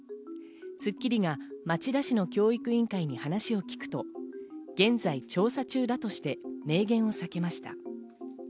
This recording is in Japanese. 『スッキリ』が町田市の教育委員会に話を聞くと、現在調査中だとして明言をさけました。